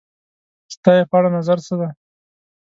ستا یی په اړه نظر څه دی؟